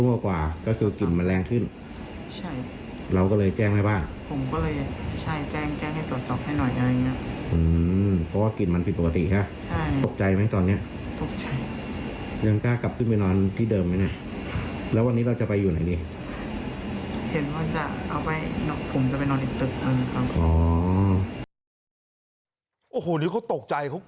โอ้โหนี่เขาตกใจเขากลัวจริงอ่ะเนี่ย